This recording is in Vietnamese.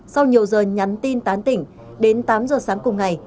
sau nhiều giờ nhắn tin tán tỉnh đến tám giờ sáng cùng ngày